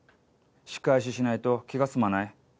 仕返ししないと気が済まない。